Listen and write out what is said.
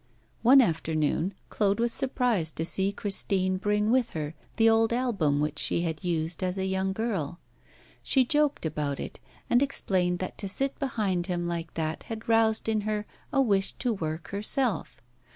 One afternoon Claude was surprised to see Christine bring with her the old album which she had used as a young girl. She joked about it, and explained that to sit behind him like that had roused in her a wish to work herself.